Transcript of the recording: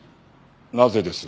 なぜです？